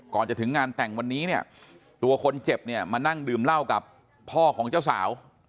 ก่อนจะถึงงานแต่งวันนี้เนี่ยตัวคนเจ็บเนี่ยมานั่งดื่มเหล้ากับพ่อของเจ้าสาว